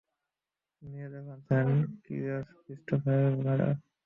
নিয়ে দেখলাম, সেন্ট ক্রিস্টোফারের মেডাল।